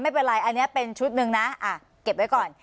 ไม่เป็นไรอันนี้เป็นชุดหนึ่งนะเก็บไว้ก่อน